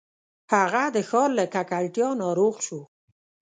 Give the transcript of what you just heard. هغه د ښار له ککړتیا ناروغ شو.